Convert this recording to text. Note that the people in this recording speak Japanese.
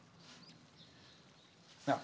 なあ？